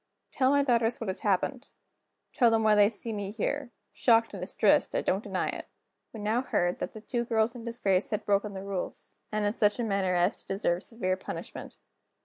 "Tell my daughters what has happened; tell them why they see me here shocked and distressed, I don't deny it." We now heard that the two girls in disgrace had broken the rules, and in such a manner as to deserve severe punishment.